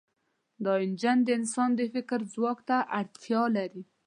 دا انجن د انسان د فکر ځواک ته اړتیا لري.